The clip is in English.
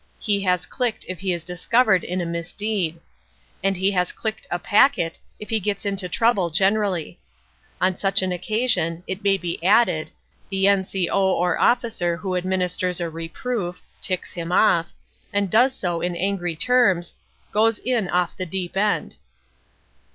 He has clicked if he is discovered in a misdeed. And he has clicked a packet if he gets into trouble generally. On such an occasion, it may be added, the N.C.O. or officer who administers a reproof ("ticks him off"), and does so in angry terms, "goes in off the deep end."